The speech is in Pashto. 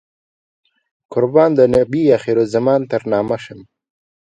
قربان د نبي اخر الزمان تر نامه شم.